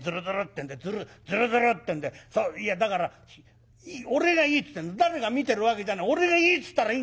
てんでズルズルズルってんでそういやだから俺がいいっつってる誰が見てるわけじゃない俺がいいっつったらいい。